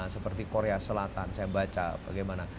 seperti korea selatan saya baca bagaimana